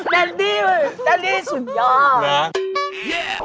แดดนี่มั้ยแดดนี่สุดยอด